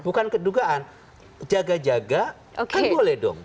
bukan kedugaan jaga jaga kan boleh dong